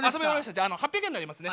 じゃあ８００円になりますね。